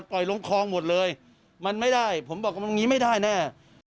ปล่อยลงคลองหมดเลยมันไม่ได้ผมบอกว่าตรงนี้ไม่ได้แน่